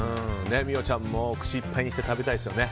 美桜ちゃんも口いっぱいに食べたいですね。